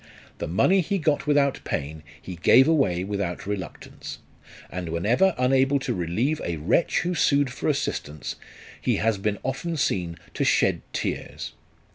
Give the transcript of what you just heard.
The money he got without pain he gave away without reluctance ; and whenever unable to relieve a wretch who sued for assistance, he has been often seen to shed tears.